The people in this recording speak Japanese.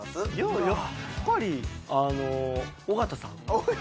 やっぱりあの尾形さん？